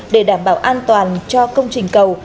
để đảm bảo an toàn cho công trình cầu